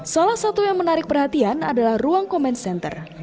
salah satu yang menarik perhatian adalah ruang komen senter